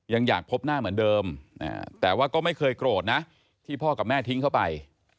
ยังอยากพบหน้าเหมือนเดิมแต่ว่าก็ไม่เคยโกรธนะที่พ่อกับแม่ทิ้งเข้าไป